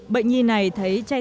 bệnh nhi này thấy